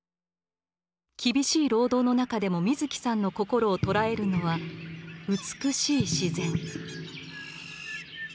厳しい労働の中でも水木さんの心を捉えるのは美しい自然。